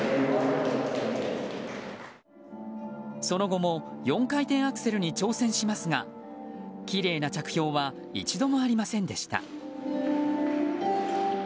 その後も４回転アクセルに挑戦しますがきれいな着氷は一度もありませんでした。